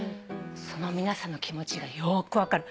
その皆さんの気持ちがよーく分かる。